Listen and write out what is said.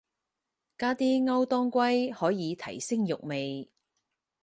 加啲歐當歸可以提升肉味